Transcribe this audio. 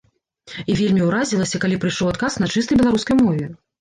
І вельмі ўразілася, калі прыйшоў адказ на чыстай беларускай мове.